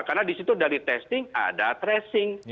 karena di situ dari testing ada tracing